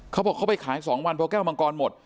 เขาบอกเขาไปขาย๒วันเพราะแก้วมังกรหมด